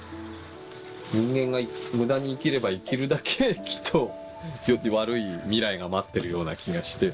人間がむだに生きれば生きるだけ、きっと悪い未来が待っているような気がして。